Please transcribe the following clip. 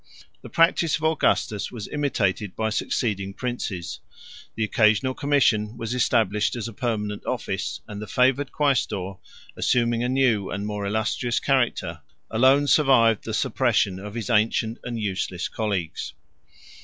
147 The practice of Augustus was imitated by succeeding princes; the occasional commission was established as a permanent office; and the favored quæstor, assuming a new and more illustrious character, alone survived the suppression of his ancient and useless colleagues.